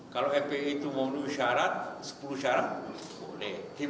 kalau fpi itu mau menunggu syarat sepuluh syarat boleh